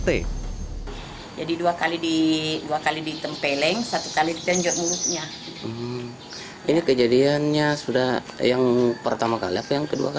terkait periswa ini pihak pemerintah setempat langsung mencobot jabatan pelaku sebagai ketua rt